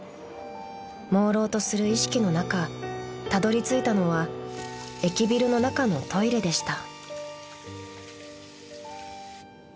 ［もうろうとする意識の中たどりついたのは駅ビルの中のトイレでした］